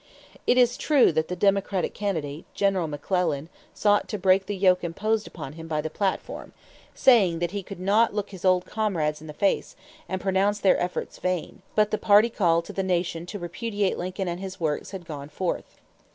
It is true that the Democratic candidate, General McClellan, sought to break the yoke imposed upon him by the platform, saying that he could not look his old comrades in the face and pronounce their efforts vain; but the party call to the nation to repudiate Lincoln and his works had gone forth.